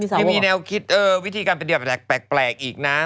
พี่มีแนวคิดวิธีการเป็นเดือนแปลกอีกนะ